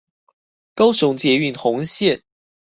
高雄捷運紅線